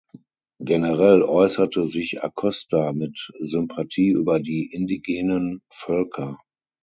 Generell äußerte sich Acosta mit Sympathie über die indigenen Völker.